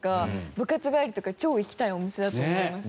部活帰りとか超行きたいお店だと思います。